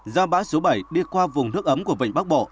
chín do báo số bảy đi qua vùng nước ấm của vĩ bắc bộ